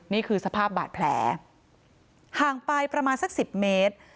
นี่คือสภาพบาดแผลห่างไปประมาณสัก๑๐เมตร